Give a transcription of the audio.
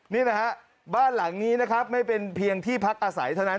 นี่นะฮะบ้านหลังนี้นะครับไม่เป็นเพียงที่พักอาศัยเท่านั้น